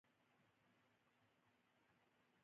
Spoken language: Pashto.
ځای ځای مو لږه عکاسي وکړه.